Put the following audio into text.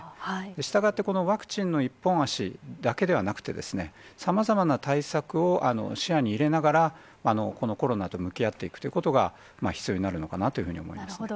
したがって、このワクチンの一本足だけではなくてですね、さまざまな対策を視野に入れながら、このコロナと向き合っていくということが必要になるのかなというなるほど。